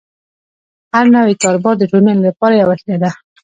هر نوی کاروبار د ټولنې لپاره یوه هیله ده.